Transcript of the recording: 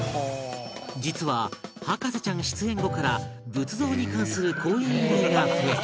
実は『博士ちゃん』出演後から仏像に関する講演依頼が増え